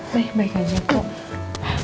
baik baik aja kok